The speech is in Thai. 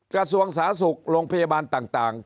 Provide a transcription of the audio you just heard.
กระทรวงสาศุกร์โรงพยาบาลต่าง